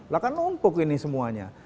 lah kan numpuk ini semuanya